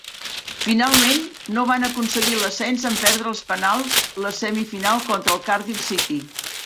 Finalment no van aconseguir l'ascens en perdre als penals la semifinal contra el Cardiff City.